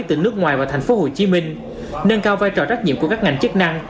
từ nước ngoài và thành phố hồ chí minh nâng cao vai trò trách nhiệm của các ngành chức năng